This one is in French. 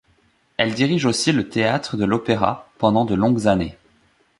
Elle dirige aussi le Théâtre de l'Opéra pendant de longues années.